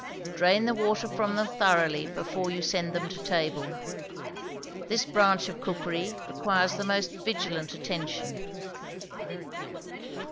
Drain the water from them thoroughly before you send them to table. This branch of cookery requires the most vigilant attention.